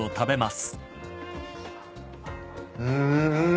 うん。